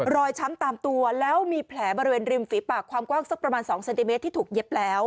ช้ำตามตัวแล้วมีแผลบริเวณริมฝีปากความกว้างสักประมาณ๒เซนติเมตรที่ถูกเย็บแล้ว